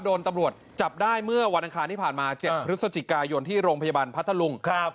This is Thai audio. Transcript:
โดนตำรวจจับได้เมื่อวันอังคารที่ผ่านมา๗พฤศจิกายนที่โรงพยาบาลพัทธลุง